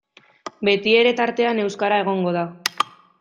Betiere tartean euskara egongo da.